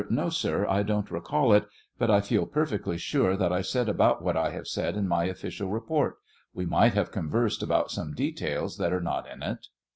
No, sir; I don't recall it; but I feel perfectly sur^ that I said about what I have said in my official report ; we might have conversed about some details that are not in it.